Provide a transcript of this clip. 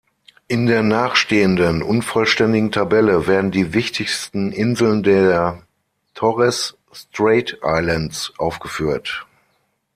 In der nachstehenden unvollständigen Tabelle werden die wichtigsten Inseln der Torres Strait Islands aufgeführt.